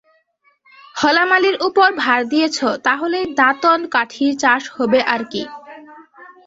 হলা মালীর উপর ভার দিয়েছ, তা হলেই দাঁতন কাঠির চাষ হবে আর কী।